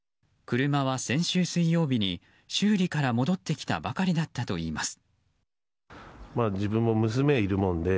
車は先週水曜日に修理から戻ってきたばかりだったといいます。